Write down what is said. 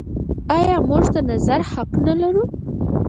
آیا موږ د نظر حق نلرو؟